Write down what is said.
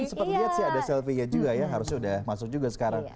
sepertinya sih ada selfie nya juga ya harusnya udah masuk juga sekarang